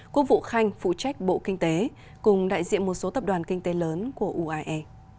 quốc vụ khanh phụ trách bộ kinh tế cùng đại diện một số tập đoàn kinh tế lớn của uae